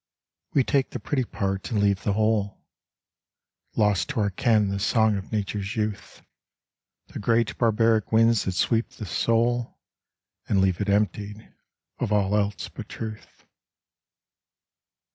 We take the petty part and leave the whole. Lost to our ken the song of Nature's youth The great barbaric winds that sweep the soul And leave it emptied of all else but truth.